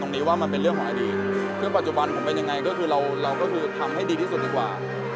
ตอนนี้ก็ยังไม่ได้เลยครับตอนนี้ก็ยังไม่ได้เลยครับตอนนี้ก็ยังไม่ได้เลยครับ